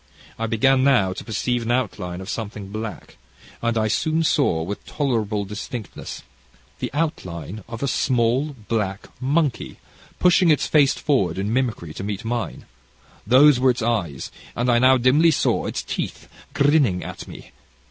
I began now to perceive an outline of something black, and I soon saw, with tolerable distinctness, the outline of a small black monkey, pushing its face forward in mimicry to meet mine; those were its eyes, and I now dimly saw its teeth grinning at me.